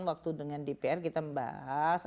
waktu dengan dpr kita membahas